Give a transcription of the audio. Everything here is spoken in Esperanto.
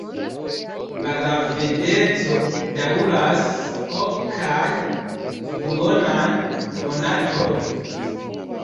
La gravedeco daŭras ok kaj duonan monatojn.